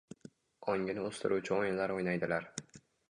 ongini o‘stiruvchi o‘yinlar o‘ynaydilar.